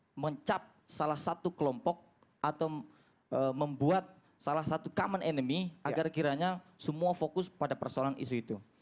untuk mencap salah satu kelompok atau membuat salah satu common enemy agar kiranya semua fokus pada persoalan isu itu